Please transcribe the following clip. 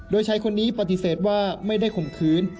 โดยชายคนนี้ปฏิเสธว่าไม่ได้ข่มขืน